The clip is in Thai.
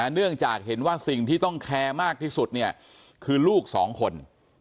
เนื่องจากเห็นว่าสิ่งที่ต้องแคร์มากที่สุดเนี่ยคือลูกสองคน